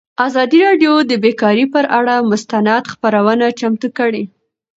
ازادي راډیو د بیکاري پر اړه مستند خپرونه چمتو کړې.